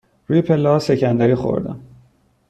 روی پله ها سکندری خوردم.